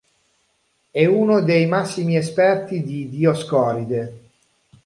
È uno dei massimi esperti di Dioscoride.